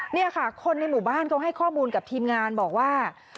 นี่ค่ะคนในหมู่บ้านเขาให้ข้อมูลกับทีมงานบอกว่า